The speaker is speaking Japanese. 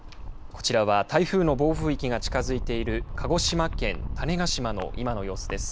こちらは台風の暴風域が近づいている鹿児島県種子島の今の様子です。